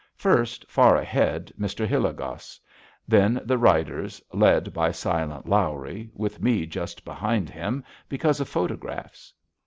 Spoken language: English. First, far ahead, Mr. Hilligoss. Then the riders, led by "Silent Lawrie," with me just behind him, because of photographs.